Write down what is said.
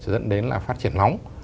dẫn đến là phát triển lóng